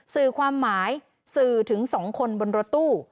สื่อความหมายสื่อถึง๒คนบนรถตู้